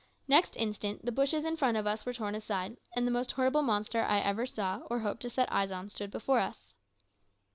Next instant the bushes in front of us were torn aside, and the most horrible monster I ever saw, or hope to set eyes on, stood before us.